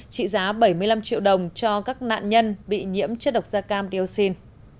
bảy mươi năm triệu đồng cho các nạn nhân bị nhiễm chất độc gia cam diosin